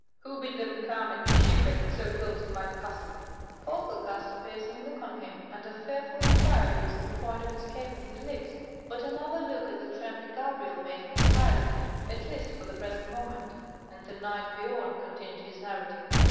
Who bid them come and be shipwrecked so close to my castle?" Folko cast a piercing look on him, and a fearful inquiry was on the point of escaping his lips, but another look at the trembling Gabrielle made him silent, at least for the present moment, and the knight Biorn continued his narrative.